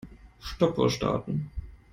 Stoppuhr starten.